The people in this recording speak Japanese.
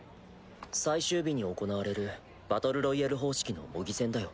最終日に行われるバトルロイヤル方式の模擬戦だよ。